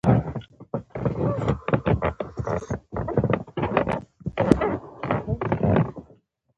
کېله د ورزشکارانو ډېره خوښېږي.